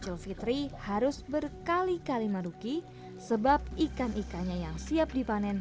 jil fitri harus berkali kali menuki sebab ikan ikannya yang siap dipanen